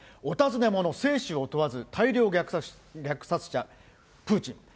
お尋ね者、生死を問わず、大量虐殺者、プーチン。